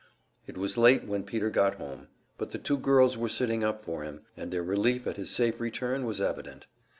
It was late when Peter got home, but the two girls were sitting up for him, and their relief at his safe return was evident.